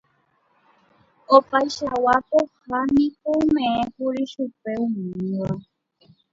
Opaichagua pohã niko ome'ẽkuri chupe umíva